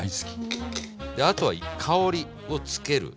あとは香りをつける。